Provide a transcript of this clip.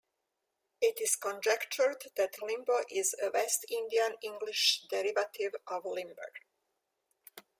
It is conjectured that limbo is a West Indian English derivative of 'limber'.